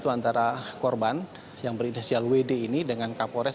antara korban yang berinisial wd ini dengan kapolres